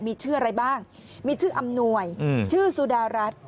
มีชื่ออะไรบ้างมีชื่ออำนวยชื่อสุดารัฐ